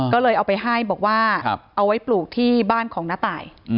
ก็เลยเอาไปให้บอกว่าเอาไว้ปลูกที่บ้านของน้าตาย